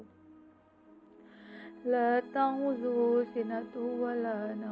hai letang wudhu sinatu walau